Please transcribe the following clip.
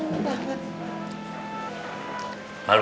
mau jadi malu